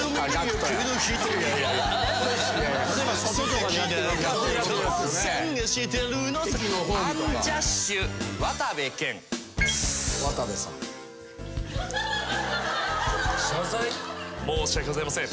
モノマネ申し訳ございません。